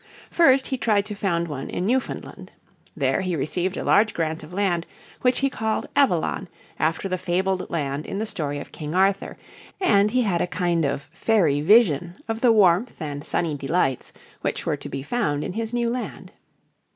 First he tried to found one in Newfoundland. There he received a large grant of land which he called Avalon after the fabled land in the story of King Arthur, and he had a kind of fairy vision of the warmth and sunny delights which were to be found in his new land.